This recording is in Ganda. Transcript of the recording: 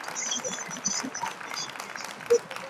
Ali ku miles ssatu ku luguudo lwe Gayaaza.